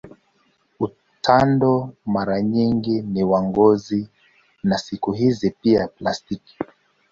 Utando mara nyingi ni wa ngozi na siku hizi pia plastiki.